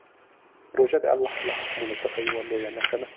روژه د الله له حکمونو څخه یوه لویه نښه ده.